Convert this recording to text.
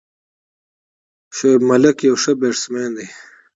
شعیب ملک یو ښه بیټسمېن دئ.